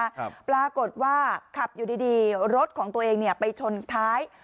ครับปรากฏว่าขับอยู่ดีดีรถของตัวเองเนี่ยไปชนท้าย